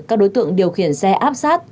các đối tượng điều khiển xe áp sát